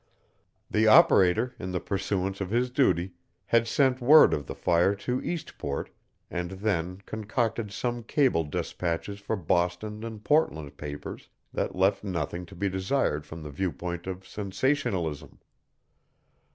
The operator, in the pursuance of his duty, had sent word of the fire to Eastport, and then concocted some cable despatches for Boston and Portland papers that left nothing to be desired from the viewpoint of sensationalism.